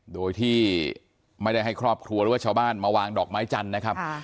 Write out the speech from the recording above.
โดยที่ไม่ได้ให้ครอบครัวหรือว่าชาวบ้านมาวางดอกไม้จันทร์นะครับ